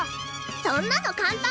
そんなの簡単！